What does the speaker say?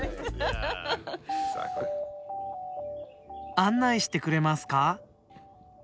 案内してくれますか？